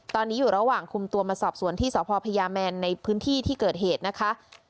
ตอนนี้อยู่ระหว่างคุมตัวมาสอบสวนที่สพพญาแมนในพื้นที่ที่เกิดเหตุนะคะ